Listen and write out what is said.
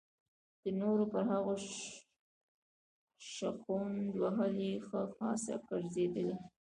د نورو پر هغو شخوند وهل یې ښه خاصه ګرځېدلې.